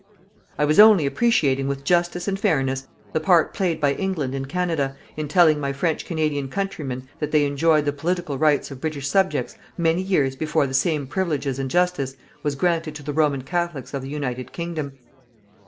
I was only appreciating with justice and fairness the part played by England in Canada, in telling my French Canadian countrymen that they enjoyed the political rights of British subjects many years before the same privileges and justice was granted to the Roman Catholics of the United Kingdom.